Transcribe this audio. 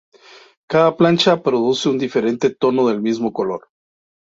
Cada plancha produce un diferente tono del mismo color.